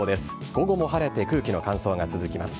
午後も晴れて空気の乾燥が続きます。